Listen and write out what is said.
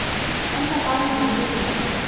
أنت طالب جيد.